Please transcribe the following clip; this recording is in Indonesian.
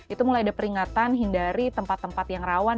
itu mulai ada peringatan hindari tempat tempat yang rawan